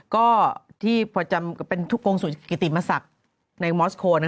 ก็ที่พอจำเป็นทุกกงสุกิติมศักดิ์ในมอสโคล